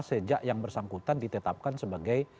sejak yang bersangkutan ditetapkan sebagai